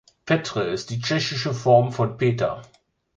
Petr ist die tschechische Form von Peter.